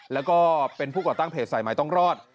แล้วก็เป็นผู้ก่อตั้งเพจสายใหม่ต้องรอด